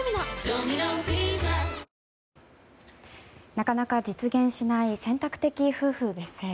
なかなか実現しない選択的夫婦別姓。